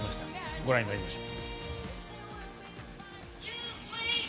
ご覧いただきましょう。